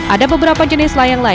ada beberapa jenis layang layang